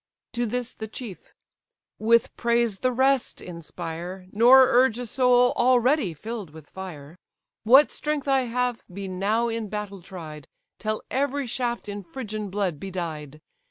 To this the chief: "With praise the rest inspire, Nor urge a soul already fill'd with fire. What strength I have, be now in battle tried, Till every shaft in Phrygian blood be dyed.